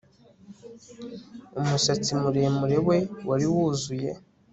Umusatsi muremure we wari wuzuye